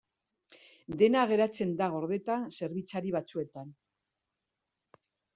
Dena geratzen da gordeta zerbitzari batzuetan.